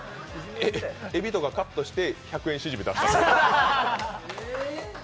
えびとかカットして１００円シジミだった？